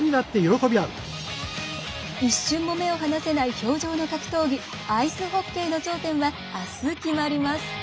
一瞬も目を離せない氷上の格闘技アイスホッケーの頂点はあす決まります。